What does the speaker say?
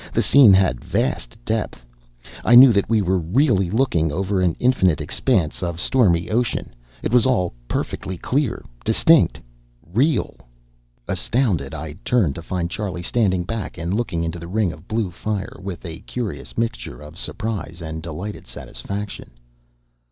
The scene had vast depth; I knew that we were really looking over an infinite expanse of stormy ocean. It was all perfectly clear, distinct, real! Astounded, I turned to find Charlie standing back and looking into the ring of blue fire, with a curious mixture of surprise and delighted satisfaction.